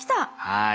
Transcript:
はい。